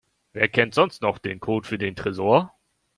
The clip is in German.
Wer kennt sonst noch den Code für den Tresor?